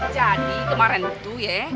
jadi kemarin tuh ya